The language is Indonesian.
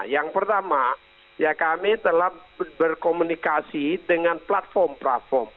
yang pertama ya kami telah berkomunikasi dengan platform platform